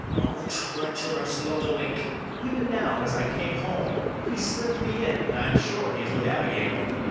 MATHIAS. O treacherous Lodowick! BARABAS. Even now, as I came home, he slipt me in, And I am sure he is with Abigail.